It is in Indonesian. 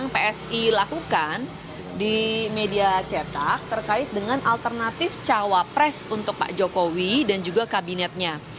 psi lakukan di media cetak terkait dengan alternatif cawapres untuk pak jokowi dan juga kabinetnya